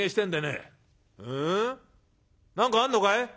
「えっ何かあんのかい？」。